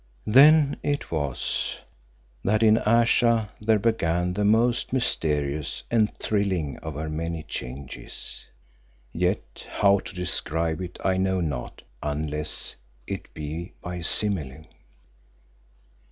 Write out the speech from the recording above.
Then it was that in Ayesha there began the most mysterious and thrilling of her many changes. Yet how to describe it I know not unless it be by simile.